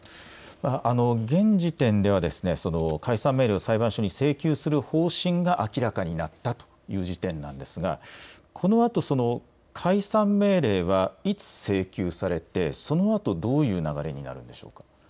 現時点では解散命令を裁判所に請求する方針が明らかになったということですがこのあと解散命令はいつ請求されてそのあとどういう流れになるんでしょうか。